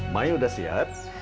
mai udah siap